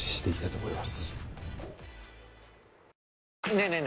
ねえねえ